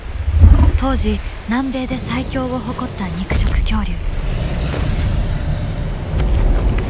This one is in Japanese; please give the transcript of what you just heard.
当時南米で最強を誇った肉食恐竜。